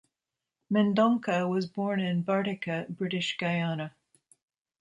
Mendonca was born in Bartica, British Guiana.